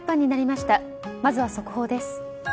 まずは速報です。